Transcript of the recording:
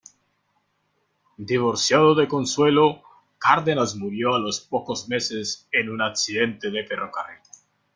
Divorciado de Consuelo, Cárdenas murió a los pocos meses en un accidente de ferrocarril.